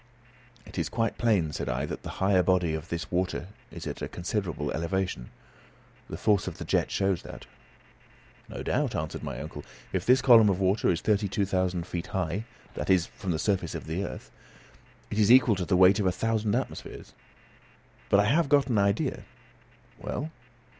"It is quite plain," said I, "that the higher body of this water is at a considerable elevation. The force of the jet shows that." "No doubt," answered my uncle. "If this column of water is 32,000 feet high that is, from the surface of the earth, it is equal to the weight of a thousand atmospheres. But I have got an idea." "Well?"